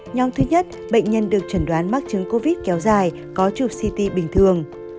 nhóm thứ nhất bệnh nhân được chuẩn đoán mắc chứng covid kéo dài có trục ct bình thường